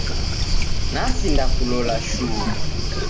Nasindakulola shuu.